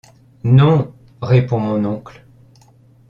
Non ! répond mon oncle.